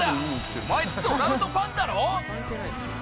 お前、トラウトファンだろ！